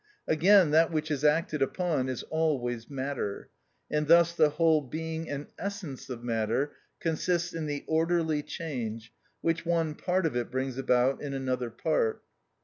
Again, that which is acted upon is always matter, and thus the whole being and essence of matter consists in the orderly change, which one part of it brings about in another part.